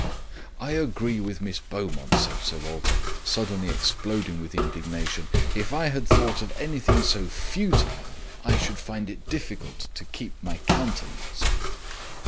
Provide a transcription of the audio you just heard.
"I agree with Miss Beaumont," said Sir Walter, suddenly exploding with indignation. "If I had thought of anything so futile, I should find it difficult to keep my countenance."